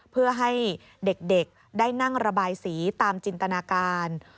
เพื่อให้เด็กได้นั่งระบายสีตามจินตนาการ